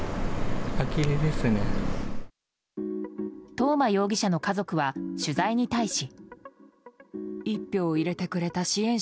東間容疑者の家族は取材に対し。